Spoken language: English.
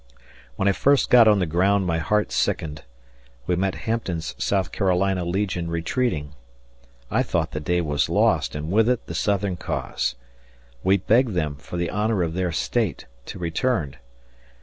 When I first got on the ground my heart sickened. We met Hampton's South Carolina legion retreating. I thought the day was lost and with it the Southern cause. We begged them, for the honor of their State, to return.